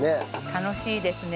楽しいですね。